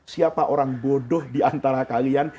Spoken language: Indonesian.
siapa orang bodoh di antara kalian